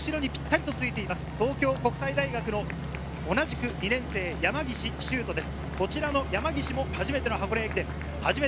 後ろにぴったりついています、東京国際大学の２年生・山岸柊斗です。